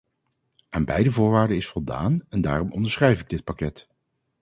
Aan beide voorwaarden is voldaan, en daarom onderschrijf ik dit pakket.